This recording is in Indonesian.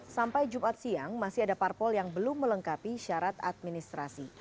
sampai jumat siang masih ada parpol yang belum melengkapi syarat administrasi